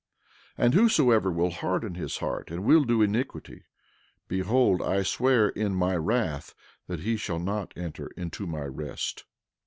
12:35 And whosoever will harden his heart and will do iniquity, behold, I swear in my wrath that he shall not enter into my rest.